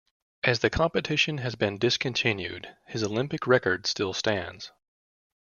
As the competition has been discontinued, his Olympic record still stands.